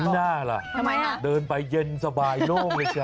นี่หน้าหรอเดินไปเย็นสบายโล่งเลยจ๊ะ